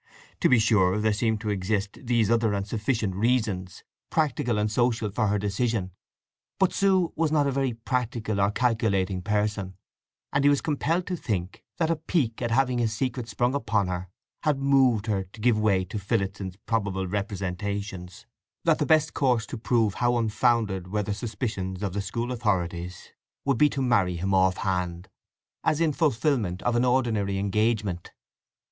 To be sure, there seemed to exist these other and sufficient reasons, practical and social, for her decision; but Sue was not a very practical or calculating person; and he was compelled to think that a pique at having his secret sprung upon her had moved her to give way to Phillotson's probable representations, that the best course to prove how unfounded were the suspicions of the school authorities would be to marry him off hand, as in fulfilment of an ordinary engagement.